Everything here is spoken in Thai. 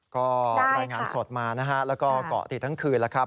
ก็รายงานสดมานะฮะแล้วก็เกาะติดทั้งคืนแล้วครับ